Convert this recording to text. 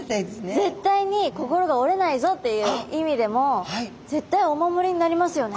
絶対に心が折れないぞっていう意味でも絶対お守りになりますよね。